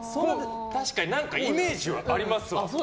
確かにイメージはありますわ。